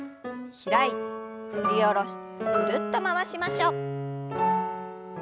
開いて振り下ろしてぐるっと回しましょう。